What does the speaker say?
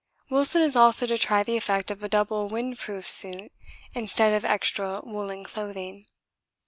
Wilson is also to try the effect of a double wind proof suit instead of extra woollen clothing.